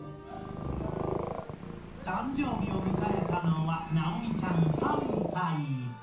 誕生日を迎えたのはナオミちゃん３歳。